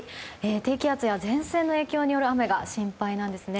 低気圧や前線の影響による雨が心配なんですね。